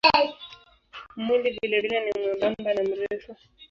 Mwili vilevile ni mwembamba na mrefu.